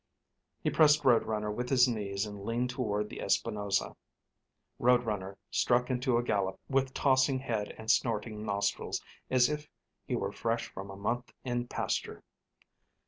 He pressed Road Runner with his knees and leaned toward the Espinosa. Road Runner struck into a gallop, with tossing head and snorting nostrils, as if he were fresh from a month in pasture.